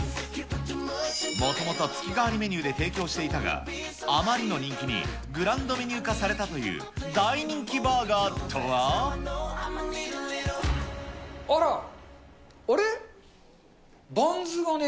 もともと月替わりメニューで提供していたが、あまりの人気にグランドメニュー化されたという、大人気バーガーあら、あれ？